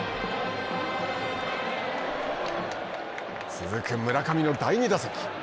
続く村上の第２打席。